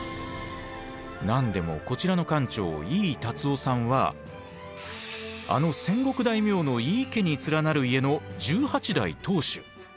何でもこちらのあの戦国大名の井伊家に連なる家の十八代当主。